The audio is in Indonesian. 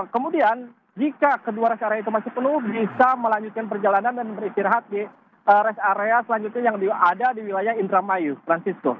kemudian jika kedua rest area itu masih penuh bisa melanjutkan perjalanan dan beristirahat di rest area selanjutnya yang ada di wilayah indramayu francisco